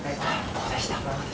どうでした？